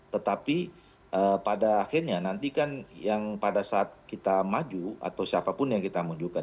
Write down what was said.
tetapi pada akhirnya nanti kan yang pada saat kita maju atau siapapun yang kita munculkan